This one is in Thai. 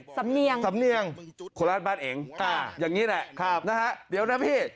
สำเนียงโคลาสบ้านเองอย่างนี้แหละนะฮะเดี๋ยวนะพี่